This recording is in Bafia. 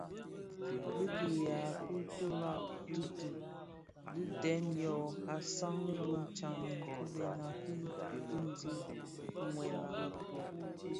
Bi kiyaň ki ntulag ti bi dhi dhen yom a saad bi tsamèn ki bena yi diňzi wuèl i mëpud.